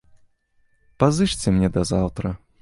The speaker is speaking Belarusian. Пазычце мне да заўтра.